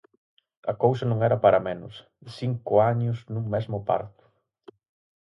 A cousa non era para menos: cinco años nun mesmo parto.